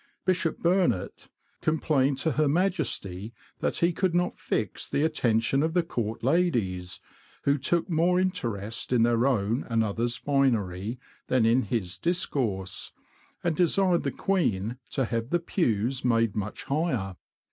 Bishop Burnet complained to Her Majesty that he could not fix the attention of the Court ladies, who took more interest in their own and others' finery than in his discourse, and desired the queen to have the pews made much higher.